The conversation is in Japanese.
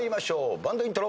バンドイントロ。